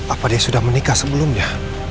apa dia sudah menikah sebelumnya